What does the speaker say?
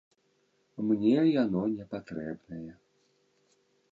Мне яно не патрэбнае.